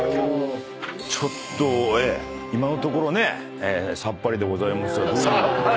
ちょっと今のところねさっぱりでございますがどういう。